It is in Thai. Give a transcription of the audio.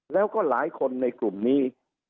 แล้วก็หลายคนในกลุ่มนี้